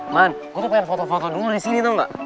man gue tuh pengen foto foto dulu disini tau gak